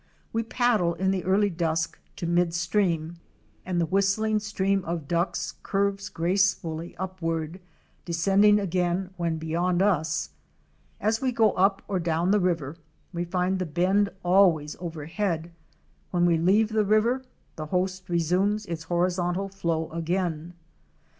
We paddle in the early dusk to mid stream and the whistling stream of Ducks curves gracefully upward, descending again when beyond us. As we go up or down river, we find the bend always overhead; 'when we leave the river, the host resumes its horizontal flow again.